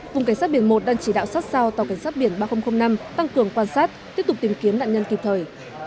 vùng cảnh sát biển một đang chỉ đạo sát sao tàu cảnh sát biển ba nghìn năm tăng cường quan sát tiếp tục tìm kiếm nạn nhân kịp thời